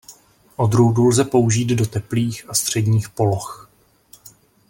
Odrůdu lze použít do teplých a středních poloh.